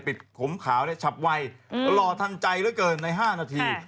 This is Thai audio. ปิดผมขาวนี่ฉับไวรอทันใจเยอะเกินใน๕นาที